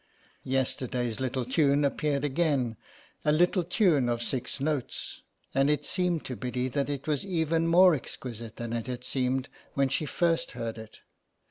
Yesterday's little tune appeared again a little tune of six notes, and it seemed to Biddy even more exquisite than it had seemed when she first heard it.